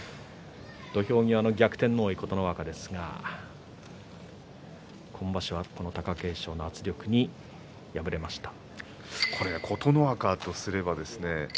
土俵際逆転の多い琴ノ若ですが今場所は貴景勝の圧力に敗れてしまいました。